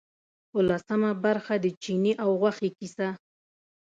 اوولسمه برخه د چیني او غوښې کیسه.